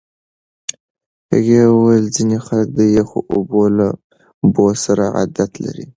هغې وویل ځینې خلک د یخو اوبو لامبو سره عادت لري.